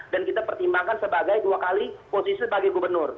dan kita pertimbangkan sebagai dua kali posisi bagi gubernur